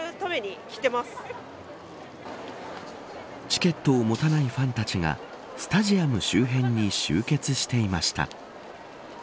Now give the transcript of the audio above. チケットを持たないファンたちがスタジアム周辺に集結していました。